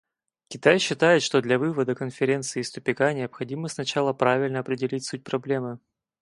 Китай считает, что для вывода Конференции из тупика необходимо сначала правильно определить суть проблемы.